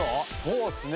そうですね。